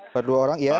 baru dua orang ya